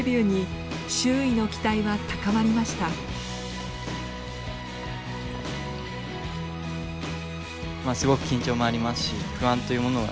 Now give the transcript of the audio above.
まあすごく緊張もありますし不安というものはすごく感じています。